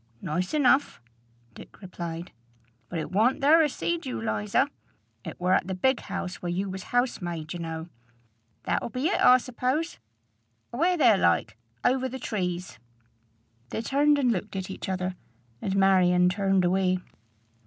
"Nice enough," Dick replied. "But it warn't there I seed you, Liza. It wur at the big house where you was housemaid, you know. That'll be it, I suppose, away there like, over the trees." They turned and looked at each other, and Marion turned away.